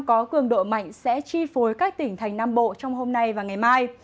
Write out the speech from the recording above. có cường độ mạnh sẽ chi phối các tỉnh thành nam bộ trong hôm nay và ngày mai